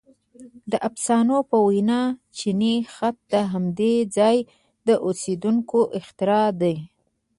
• د افسانو په وینا چیني خط د همدې ځای د اوسېدونکو اختراع دی.